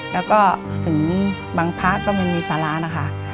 แล้วก็ถึงบางพระก็ไม่มีสาระนะคะ